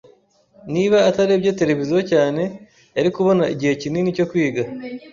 [S] Niba atarebye televiziyo cyane, yari kubona igihe kinini cyo kwiga.